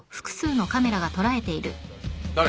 誰？